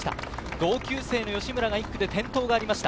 同級生の吉村が１区で転倒がありました。